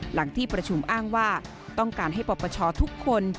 หลังที่ประชุมอ้างว่าต้องการให้ปปชทุกคน